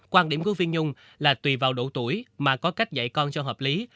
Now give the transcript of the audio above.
quan điểm của phiên nhung là tùy vào độ tuổi mà có cách dạy con cho hợp lý